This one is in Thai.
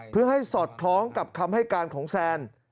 เพื่อให้สอดคล้องกับคำให้การของแซน